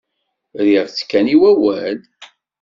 Rriɣ-tt kan i wawal.